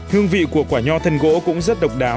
hương vị của quả nhò thần gỗ cũng rất độc đáo